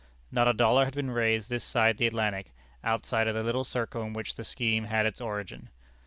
Not a dollar had been raised this side the Atlantic, outside of the little circle in which the scheme had its origin.